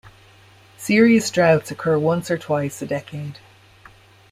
Serious droughts occur once or twice a decade.